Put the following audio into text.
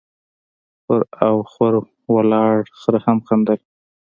، پر اخوره ولاړ خره هم خندل،